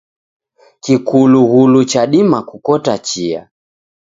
Kikulughulu chadima kukota chia.